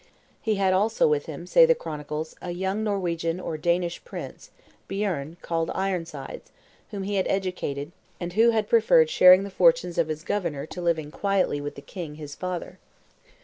He had also with him, say the chronicles, a young Norwegian or Danish prince, Bieern, called Ironsides, whom he had educated, and who had preferred sharing the fortunes of his governor to living quietly with the king, his father.